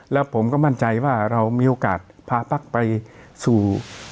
แล้วผมก็มั่นใจว่าเรามีโอกาสพาภักดิ์ไปสู่